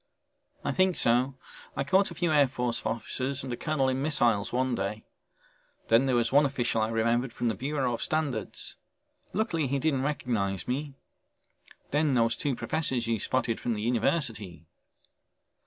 "I think so, I caught a few Air Force officers and a colonel in missiles one day. Then there was one official I remembered from the Bureau of Standards. Luckily he didn't recognize me. Then those two professors you spotted from the university."